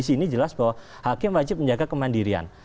terdengar jelas bahwa hakim wajib menjaga kemandirian